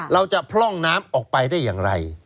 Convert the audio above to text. เราจะพร่องน้ำออกไปได้อย่างไร